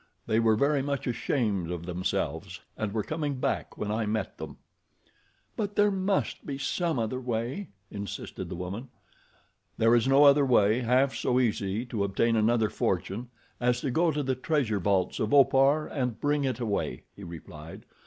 "They were very much ashamed of themselves, and were coming back when I met them." "But there must be some other way," insisted the woman. "There is no other way half so easy to obtain another fortune, as to go to the treasure vaults of Opar and bring it away," he replied.